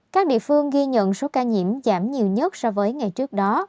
các địa phương ghi nhận số ca nhiễm giảm nhiều nhất so với ngày trước đó